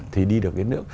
thì đi được đến nước